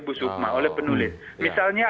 bu sukma oleh penulis misalnya